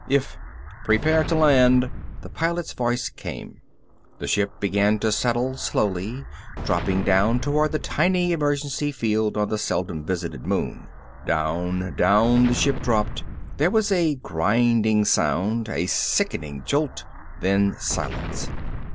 If " "Prepare to land!" the pilot's voice came. The ship began to settle slowly, dropping down toward the tiny emergency field on the seldom visited moon. Down, down the ship dropped. There was a grinding sound, a sickening jolt. Then silence.